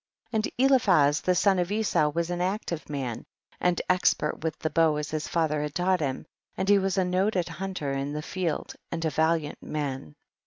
32. And Eliphaz the son of Esau was an active man and expert with the bow as his father had taught him, and he was a noted hunter in the field and a valiant man.